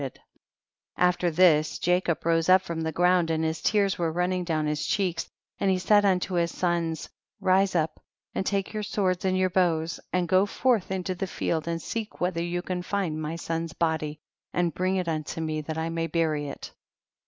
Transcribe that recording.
And after this, Jacob rose up from the ground, and his tears w'ere Tunning down his cheeks, and he •said unto his sons, rise up and take your swords and your bow^s, and go forth into the field, and seek whether you can find my son's body and bring it unto me that I may bury it.